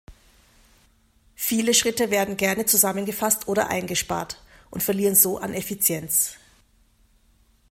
Viele Schritte werden gerne zusammengefasst oder eingespart und verlieren so an Effizienz.